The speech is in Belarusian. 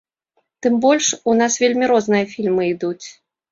Тым больш, у нас вельмі розныя фільмы ідуць.